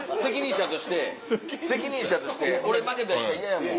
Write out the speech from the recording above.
責任者として俺負けたりしたら嫌やもん。